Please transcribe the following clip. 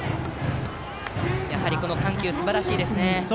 やはり緩急がすばらしいですね。